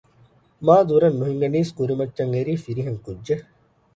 މާ ދުރަށް ނުހިނގެނީސް ކުރިމައްޗަށް އެރީ ފިރިހެން ކުއްޖެއް